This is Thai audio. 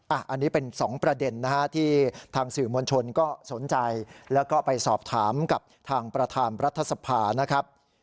อันนี้เป็นสองประเด็นนะฮะที่ทางสื่อมวลชนก็สนใจแล้วก็ไปสอบถามกับทางประธานรัฐสภานะครับ